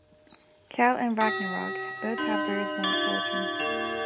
Kel and Ragnarok both have very small children.